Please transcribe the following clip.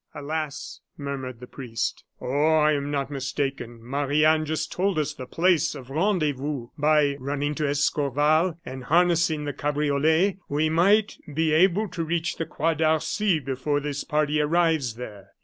"Alas!" murmured the priest. "Oh I am not mistaken. Marie Anne just told us the place of rendezvous. By running to Escorval and harnessing the cabriolet, we might be able to reach the Croix d'Arcy before this party arrive there.